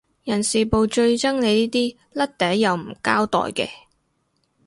人事部最憎你呢啲甩底又唔交代嘅